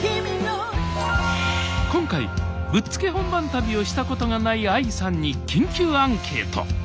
今回ぶっつけ本番旅をしたことがないＡＩさんに緊急アンケート。